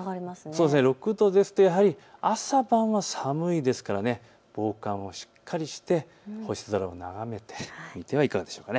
６度ですとやはり朝晩は寒いですから防寒をしっかりして星空を眺めてみてはいかがでしょうか。